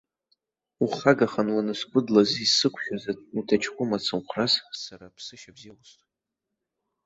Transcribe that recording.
Ухагаханы уанысгәыдлаз исықәшәаз уҭаҷкәым ацымхәрас сара аԥсышьа бзиа усҭоит.